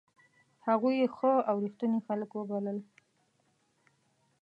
هغوی یې ښه او ریښتوني خلک وبلل.